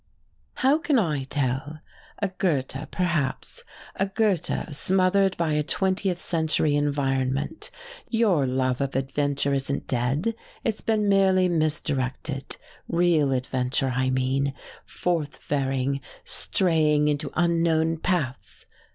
"How can I tell? A Goethe, perhaps a Goethe smothered by a twentieth century environment. Your love of adventure isn't dead, it's been merely misdirected, real adventure, I mean, forth faring, straying into unknown paths.